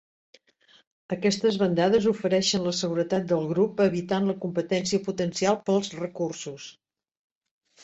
Aquestes bandades ofereixen la seguretat del grup, evitant la competència potencial pels recursos.